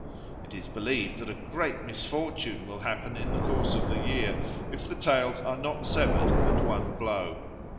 It is believed that a great misfortune will happen in the course of the year if the tails are not severed at one blow.